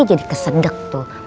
jadi kesedek tuh